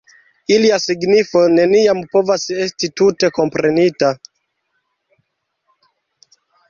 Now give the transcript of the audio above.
Ilia signifo neniam povas esti tute komprenita.